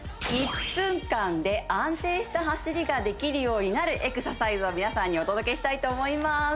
１分間で安定した走りができるようになるエクササイズを皆さんにお届けしたいと思います